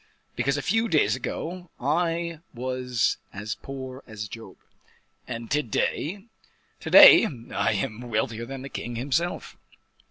"Because a few days ago I was as poor as Job." "And to day?" "To day I am wealthier than the king himself."